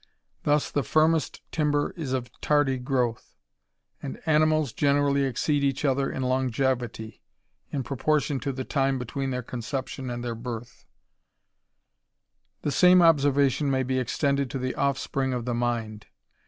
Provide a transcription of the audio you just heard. Thus xmest timber is of tardy growth, and animals generally id each other in longevity, in proportion to the time een their conception and their birth, le same observation may be extended to the offspring le mind.